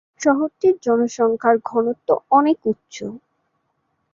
শহরটির জনসংখ্যার ঘনত্ব অনেক উচ্চ।